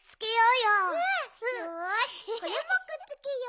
よしこれもくっつけよう。